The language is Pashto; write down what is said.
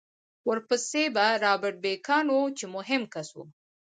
ورپسې به رابرټ بېکان و چې مهم کس و